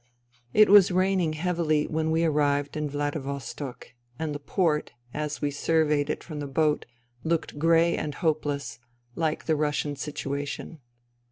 It was raining heavily when we arrived in Vladi vostok, and the port, as we surveyed it from the boat, looked grey and hopeless, like the Russian situation.